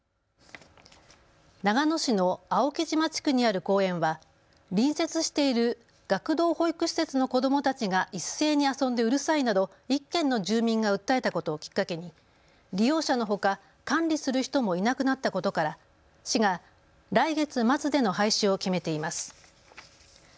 長野市の青木島地区にある公園は隣接している学童保育施設の子どもたちが一斉に遊んでうるさいなど１軒の住民が訴えたことをきっかけに利用者のほか管理する人もいなくなったことから市が来月末での廃止を決めています。